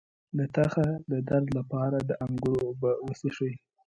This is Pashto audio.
د تخه د درد لپاره د انګور اوبه وڅښئ